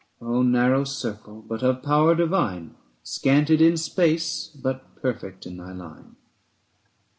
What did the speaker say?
Oh narrow circle, but of power divine, Scanted in space, but perfect in thy line!